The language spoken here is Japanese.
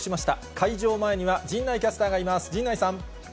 会場前には陣内キャスターがいます。